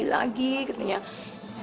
ketika dia kemarin ke rumah dia sudah selesai